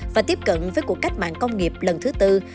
và tiếp cận với cuộc cách mạng công nghiệp lần thứ tư